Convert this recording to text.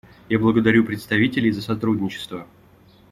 Я благодарю представителей за сотрудничество.